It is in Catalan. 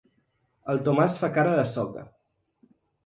El Tomàs fa cara de soca.